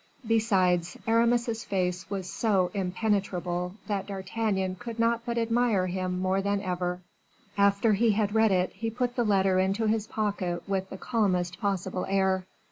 Besides, Aramis's face was so impenetrable, that D'Artagnan could not but admire him more than ever; after he had read it, he put the letter into his pocket with the calmest possible air.